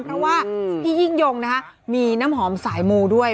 เพราะว่าพี่ยิ่งยงมีน้ำหอมสายมูด้วย